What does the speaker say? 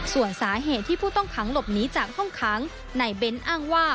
ส่วนสาเหตุที่ผู้ต้องขังหลบหนีจากห้องขังนายเบ้นอ้างว่า